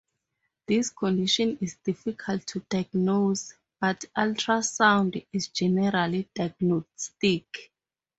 This condition is difficult to diagnose, but ultrasound is generally diagnostic.